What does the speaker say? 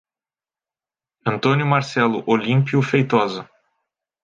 Antônio Marcelo Olimpio Feitosa